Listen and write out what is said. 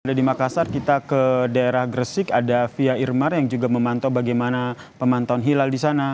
ada di makassar kita ke daerah gresik ada fia irmar yang juga memantau bagaimana pemantauan hilal di sana